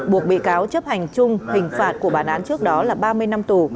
buộc bị cáo chấp hành chung hình phạt của bản án trước đó là ba mươi năm tù